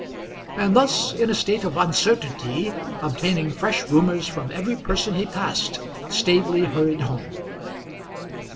And thus, in a state of uncertainty, obtaining fresh rumours from every person he passed, Staveley hurried home.